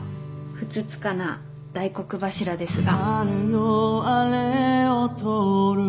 ふつつかな大黒柱ですが